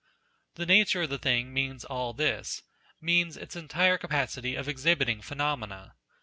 The Nature of the thing means all this ; means its entire capacity of exhibiting phenomena.